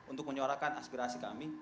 untuk menyuarakan aspirasi kami